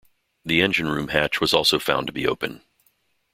The engine room hatch was also found to be open.